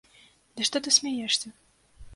Ды што ты смяешся!